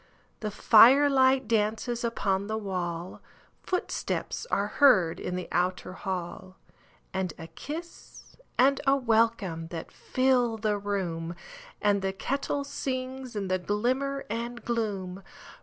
The firelight dances upon the wall, Footsteps are heard in the outer hall, And a kiss and a welcome that fill the room, And the kettle sings in the glimmer and gloom.